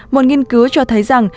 một nghiên cứu cho thấy rằng